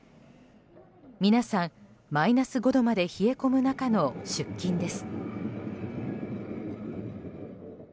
皆さん、マイナス５度まで冷え込む中の出勤です。